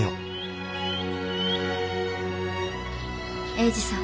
英治さん。